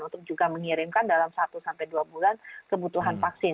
untuk juga mengirimkan dalam satu dua bulan kebutuhan vaksin